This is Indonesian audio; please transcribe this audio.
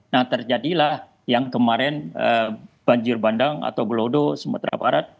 nah terjadilah yang kemarin banjir bandang atau belodo sumatera barat